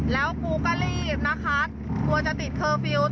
แล้วครูก็รีบนะคะกลัวจะติดเคอร์ฟิลล์